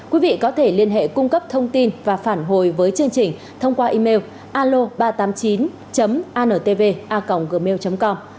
quý vị có thể liên hệ cung cấp thông tin và phản hồi với chương trình thông qua email alo ba trăm tám mươi chín antv a gmail com